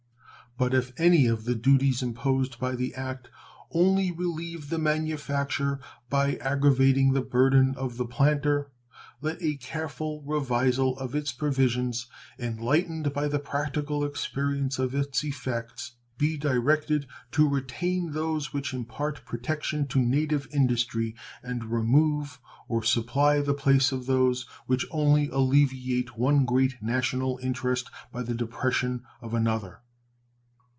But if any of the duties imposed by the act only relieve the manufacturer by aggravating the burden of the planter, let a careful revisal of its provisions, enlightened by the practical experience of its effects, be directed to retain those which impart protection to native industry and remove or supply the place of those which only alleviate one great national interest by the depression of another.